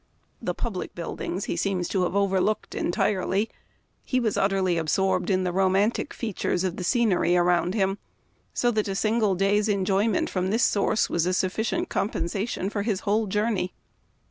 The public buildings he seems to have over looked entirely. He was utterly absorbed in the romantic features of the scenery around him, so that a single day's enjoyment from this source was a sufficient compensation for his whole journey.